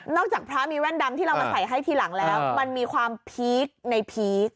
จากพระมีแว่นดำที่เรามาใส่ให้ทีหลังแล้วมันมีความพีคในพีค